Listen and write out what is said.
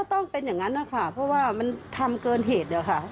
ต้องเป็นอย่างนั้นนะคะเพราะว่ามันทำเกินเหตุอะค่ะ